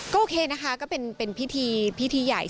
ก็โอเคนะคะก็เป็นพิธีใหญ่